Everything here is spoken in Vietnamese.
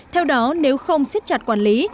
theo đó nếu không xếp chặt quản lý